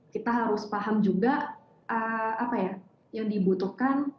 kita harus paham juga apa ya yang dibutuhkan